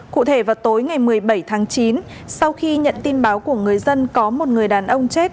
cụ thể vào tối ngày một mươi bảy tháng chín sau khi nhận tin báo của người dân có một người đàn ông chết